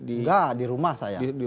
enggak di rumah saya